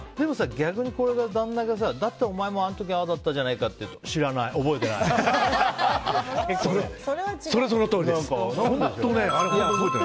逆に旦那がだってお前もあの時ああだったじゃないかって言うと知らない、覚えてないって。